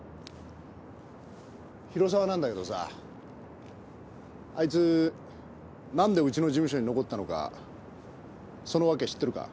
広澤なんだけどさあいつ何でウチの事務所に残ったのかその訳知ってるか？